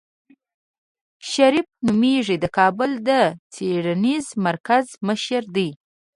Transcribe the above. شريف نومېږي د کابل د څېړنيز مرکز مشر دی.